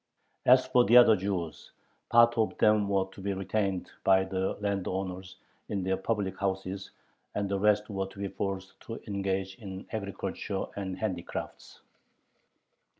As for the other Jews, part of them were to be retained by the landowners in their public houses, and the rest were "to be forced to engage in agriculture and handicrafts."